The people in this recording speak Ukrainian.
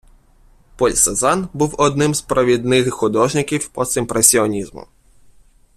Поль Сезанн був одним з провідних художників постімпресіонізму.